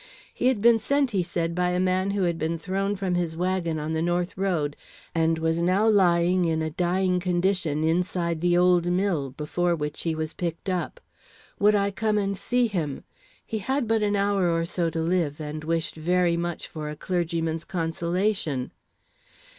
He had been sent, he said, by a man who had been thrown from his wagon on the north road, and was now lying in a dying condition inside the old mill, before which he was picked up. Would I come and see him? He had but an hour or so to live, and wished very much for a clergyman's consolation.